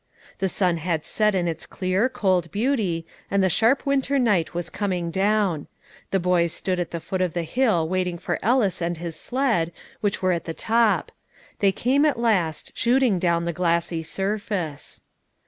The sun had set in its clear, cold beauty, and the sharp winter night was coming down; the boys stood at the foot of the hill waiting for Ellis and his sled, which were at the top; they came at last, shooting down the glassy surface.